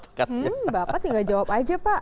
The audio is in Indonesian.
hmm bapak tinggal jawab aja pak